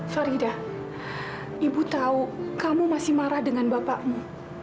farida ibu tahu kamu masih marah dengan bapakmu